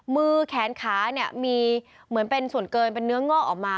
มือแขนขาเนี่ยมีเหมือนเป็นส่วนเกินเป็นเนื้องอกออกมา